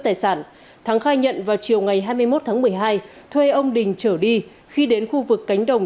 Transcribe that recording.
tài sản thắng khai nhận vào chiều ngày hai mươi một tháng một mươi hai thuê ông đình trở đi khi đến khu vực cánh đồng